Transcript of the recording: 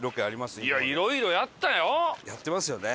やってますよね。